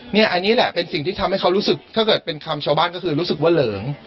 เนี่ยอันนี้แหละเป็นสิ่งที่ทำให้เขารู้สึกถ้าเกิดเป็นคำชาวบ้านก็คือรู้สึกว่าเหลิง